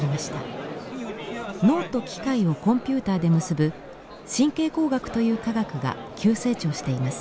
脳と機械をコンピューターで結ぶ神経工学という科学が急成長しています。